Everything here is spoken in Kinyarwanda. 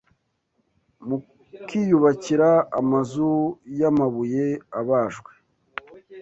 mukiyubakira amazu y’amabuye abajwe